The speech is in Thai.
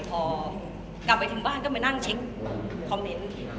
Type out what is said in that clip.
กลับถึงบ้านกละนั่นเคลียร์คอมเม้น